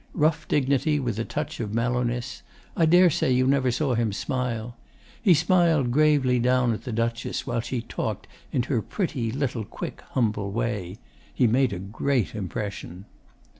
Rough dignity with a touch of mellowness. I daresay you never saw him smile. He smiled gravely down at the Duchess, while she talked in her pretty little quick humble way. He made a great impression.